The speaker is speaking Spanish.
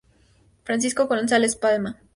Francisco González Palma